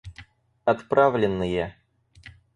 Отправленные